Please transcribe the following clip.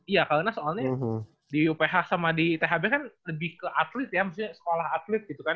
iya karena soalnya di uph sama di ithb kan lebih ke atlet ya maksudnya sekolah atlet gitu kan